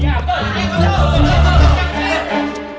ya betul betul betul